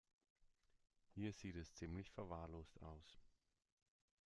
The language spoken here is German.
Hier sieht es ziemlich verwahrlost aus.